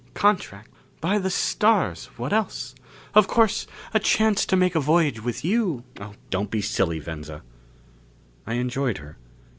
"Contract. By the stars, what else? Of course, a chance to make a voyage with you " "Don't be silly, Venza." I enjoyed her.